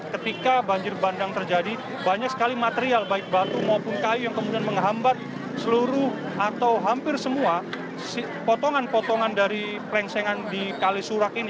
ketika banjir bandang terjadi banyak sekali material baik batu maupun kayu yang kemudian menghambat seluruh atau hampir semua potongan potongan dari plengsengan di kalisurak ini